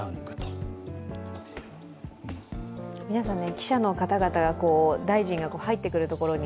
記者の方々が、大臣が入ってくるところに